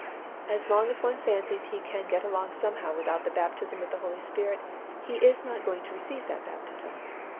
As long as one fancies he can get along somehow without the baptism with the Holy Spirit, he is not going to receive that baptism.